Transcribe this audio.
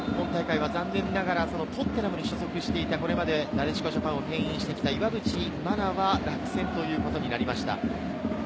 本大会は残念ながらトッテナムに所属していたこれまでのなでしこジャパンをけん引してきた岩渕真奈は落選ということになりました。